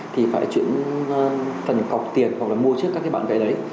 thì phải chuyển phần cọc tiền hoặc là mua trước các cái bản vẽ đấy